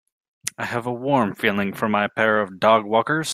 I have a warm feeling for my pair of dogwalkers.